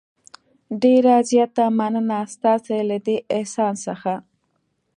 ډېره زیاته مننه ستاسې له دې احسان څخه.